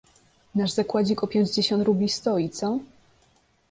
"Nasz zakładzik o pięćdziesiąt rubli stoi, co?..."